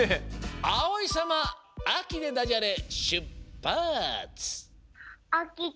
あおいさま「あき」でダジャレしゅっぱつ！